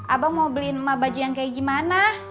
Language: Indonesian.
abang mau beliin sama baju yang kayak gimana